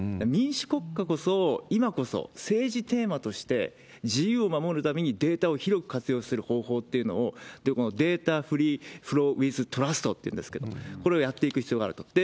民主国家こそ、今こそ、政治テーマとして自由を守るためにデータを広く活用する方法っていうのを、データフリー・フロー・ウィズ・トラストというんですけれども、これをやっていく必要があると。